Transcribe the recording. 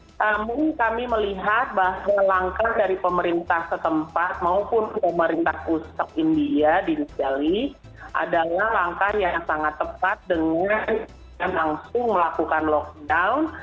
namun kami melihat bahwa langkah dari pemerintah setempat maupun pemerintah pusat india di new delhi adalah langkah yang sangat tepat dengan langsung melakukan lockdown